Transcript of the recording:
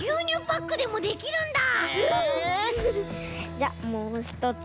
じゃもうひとつも。